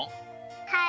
はい。